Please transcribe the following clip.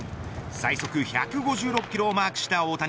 最速１５６キロをマークした大谷。